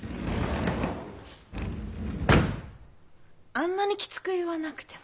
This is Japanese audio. あんなにきつく言わなくても。